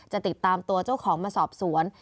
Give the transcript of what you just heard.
จะติดตามตัวเจ้าของมาสอบสวน